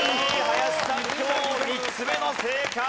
林さん今日３つ目の正解！